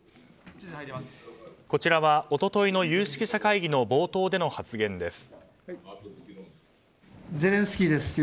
こちらは、一昨日の有識者会議の冒頭での発言です。